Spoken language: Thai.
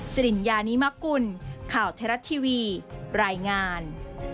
สิริญญานิมกุลข่าวไทยรัฐทีวีรายงาน